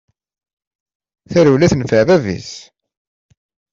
Tarewla tenfeɛ bab-is!